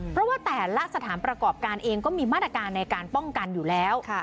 เพราะว่าแต่ละสถานประกอบการเองก็มีมาตรการในการป้องกันอยู่แล้ว